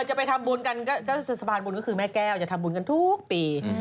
จะไปทำบุญกันก็คือสะพานบุญก็คือแม่แก้วจะทำบุญกันทุกปี